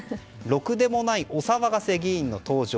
ろくでもないお騒がせ議員の登場。